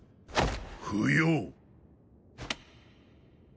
不要。